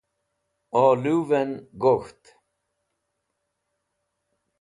olu'en gokht